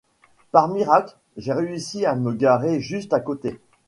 Par miracle, j'ai réussi à me garer juste à côté.